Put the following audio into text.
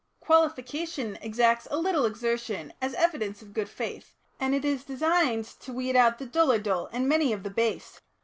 Qualification exacts a little exertion, as evidence of good faith, and it is designed to weed out the duller dull and many of the base.